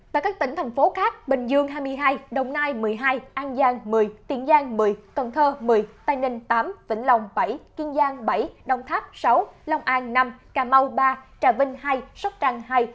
tại các tỉnh thành phố khác bình dương hai mươi hai đồng nai một mươi hai an giang một mươi tiền giang một mươi cần thơ một mươi tây ninh tám vĩnh long bảy kiên giang bảy đồng tháp sáu long an năm cà mau ba trà vinh hai sóc trăng hai